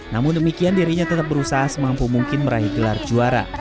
namun demikian dirinya tetap berusaha semampu mungkin meraih gelar juara